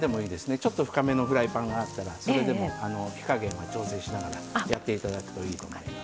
ちょっと深めのフライパンがあったらそれでも火加減は調整しながらやって頂くといいと思います。